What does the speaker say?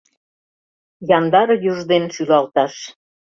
Яндар юж ден шӱлалташ.